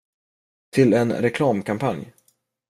Till en reklamkampanj.